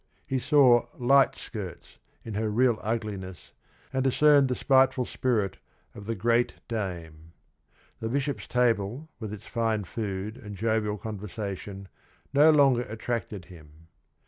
He saw "Light skirts" in her real ugliness, and discerned the spiteful spirit of "the great dame." The bishop's table with its fine food and jovial con versation no longer attracted him.